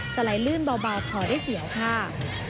ไหลลื่นเบาถอยได้เสียวค่ะ